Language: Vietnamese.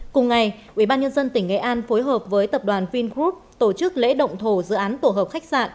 cùng ngày ubnd tỉnh nghệ an phối hợp với tập đoàn vingroup tổ chức lễ động thổ dự án tổ hợp khách sạn